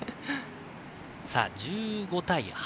１５対８。